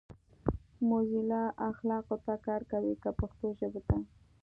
موزیلا اخلاقو ته کار کوي کۀ پښتو ژبې ته؟